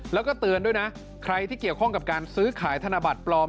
แล้วก็เตือนด้วยนะใครที่เกี่ยวข้องกับการซื้อขายธนบัตรปลอม